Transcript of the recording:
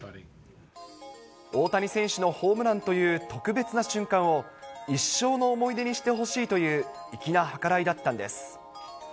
大谷選手のホームランという特別な瞬間を、一生の思い出にしてほしいという粋な計らいだったんです。